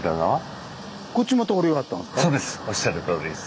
おっしゃるとおりです。